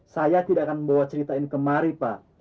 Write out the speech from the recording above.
saya tidak akan membawa cerita ini kemari pak